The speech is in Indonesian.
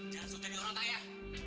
jangan sudah jadi orang tayah